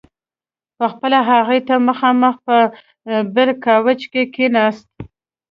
په خپله هغې ته مخامخ په بل کاوچ کې کښېناست.